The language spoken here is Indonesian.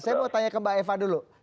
saya mau tanya ke mbak eva dulu